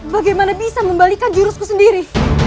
bagaimana bisa membalikan jurusku sendiri